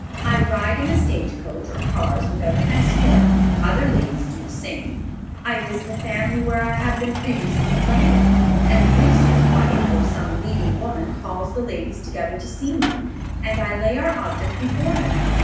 "I ride in the stage coach or cars without an escort. Other ladies do the same. I visit a family where I have been previously invited, and the minister's wife, or some leading woman, calls the ladies together to see me, and I lay our object before them.